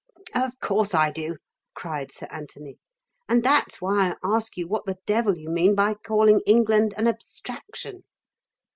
"Of course I do," cried Sir Anthony. "And that's why I ask you what the devil you mean by calling England an abstraction.